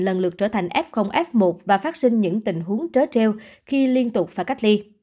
lần lượt trở thành f f một và phát sinh những tình huống trở khi liên tục phải cách ly